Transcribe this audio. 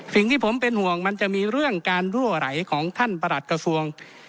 สิ่งที่ผมเป็นห่วงมันจะมีเรื่องการรั่วไหลของท่านประหลัดกระทรวง